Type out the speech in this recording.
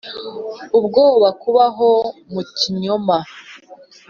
Ubwoba kubaho mu kinyoma